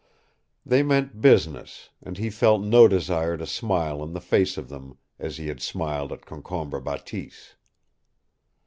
They meant business, and he felt no desire to smile in the face of them, as he had smiled at Concombre Bateese.